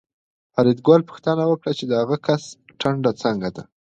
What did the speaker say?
فریدګل پوښتنه وکړه چې د هغه کس ټنډه څنګه ده